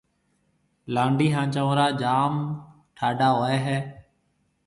لانڊَي ھان چنورا جام ٺاڊا ھوئيَ ھيََََ